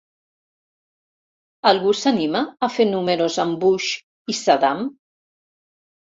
Algú s'anima a fer números amb Bush i Saddam?